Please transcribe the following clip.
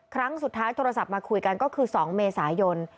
ครั้งสุดท้ายโทรศัพท์มาคุยกันก็คือ๒เมษายน